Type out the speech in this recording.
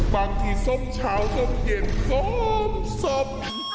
บางทีซ่อมเช้าซ่อมเย็นซ่อมซ่อม